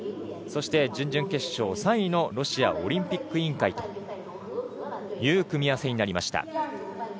そして準々決勝３位のロシアオリンピック委員会という組み合わせになりました。